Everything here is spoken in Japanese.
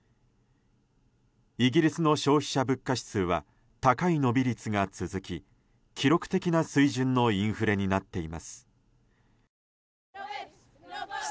イギリスの消費者物価指数は高い伸び率が続き記録的な水準のインフレになっています。